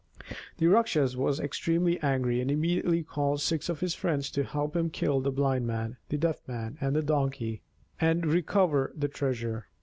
The Rakshas was extremely angry, and immediately called six of his friends to help him kill the Blind Man, the Deaf Man, and the Donkey, and recover the treasure.